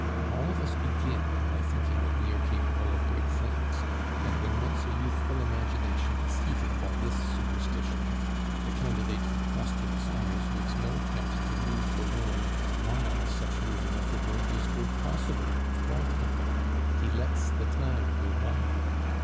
All of us begin by thinking that we are capable of great things; and when once a youthful imagination is heated by this superstition, the candidate for posthumous honors makes no attempt to move the world while such moving of the world is both possible and profitable; he lets the time go by.